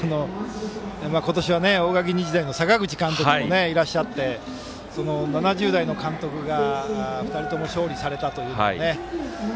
今年は大垣日大の阪口監督もいらっしゃって７０代の監督が２人とも勝利されたということで。